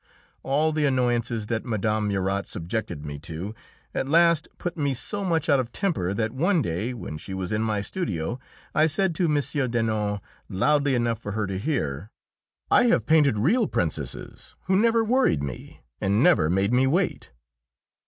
All the annoyances that Mme. Murat subjected me to at last put me so much out of temper that one day, when she was in my studio, I said to M. Denon, loudly enough for her to hear, "I have painted real princesses who never worried me, and never made me wait."